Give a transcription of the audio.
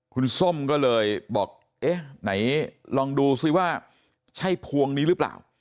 คุณส้มก็เลยบอกเอ๊ะไหนลองดูซิว่าใช่พวงนี้หรือเปล่า